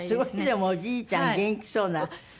すごいでもおじいちゃん元気そうな。